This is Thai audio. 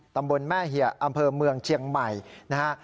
ตำบลแม่เหยะอำเภอเมืองเจียงใหม่นะครับ